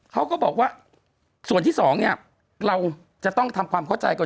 เขาก็บอกว่าส่วนที่สองเนี่ยเราจะต้องทำความเข้าใจก่อน